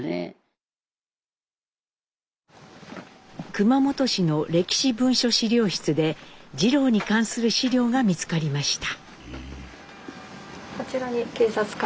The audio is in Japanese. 熊本市の歴史文書資料室で次郎に関する資料が見つかりました。